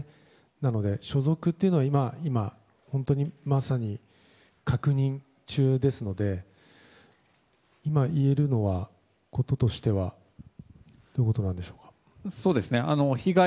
なので、所属というのは今まさに確認中ですので今、言えることとしてはということでしょうか？